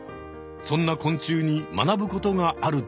そんな昆虫に学ぶことがあるという。